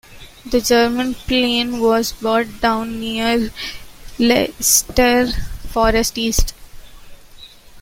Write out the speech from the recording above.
The German plane was brought down near Leicester Forest East.